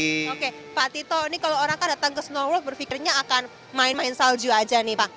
oke pak tito ini kalau orang kan datang ke snow world berpikirnya akan main main salju aja nih pak